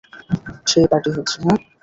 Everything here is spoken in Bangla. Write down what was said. সেই পার্টি হচ্ছে, হাহ?